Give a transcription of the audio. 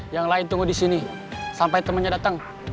yang lain tunggu disini sampai temennya dateng